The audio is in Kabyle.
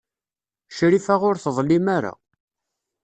Crifa ur teḍlim ara.